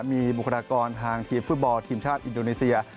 มีบุคลากรทางทีมฟุตบอลทีมชาติอินโดนีเซีย